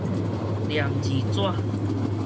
黏字紙